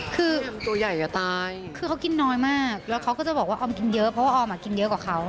คือคือเค้ากินน้อยมากแล้วเค้าก็จะบอกว่าออมกินเยอะเพราะว่าออมกินเยอะกว่าเค้า